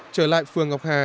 trở lại phường ngọc hà